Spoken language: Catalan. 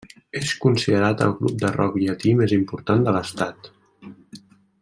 És considerat el grup de rock llatí més important de l'Estat.